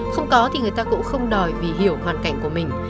không có thì người ta cũng không đòi vì hiểu hoàn cảnh của mình